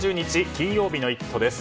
金曜日の「イット！」です。